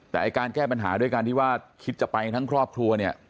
แต่การแก้ปัญหาด้วยการที่ว่าคิดจะไปทั้งครอบครัวเนี่ย